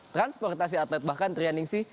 transportasi atlet bahkan trianing si